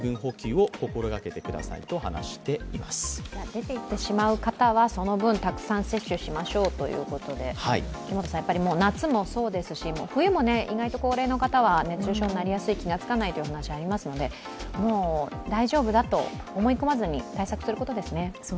出ていってしまう方はその分、たくさん摂取しましょうということで夏もそうですし、冬も高齢の方は熱中症になりやすい、気がつかないという話がありますのでもう大丈夫だと思い込まずに対策することですね。